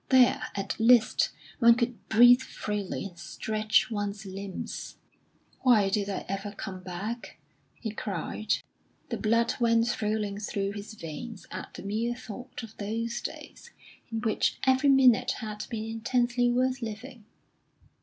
There, at least, one could breathe freely, and stretch one's limbs. "Why did I ever come back?" he cried. The blood went thrilling through his veins at the mere thought of those days in which every minute had been intensely worth living.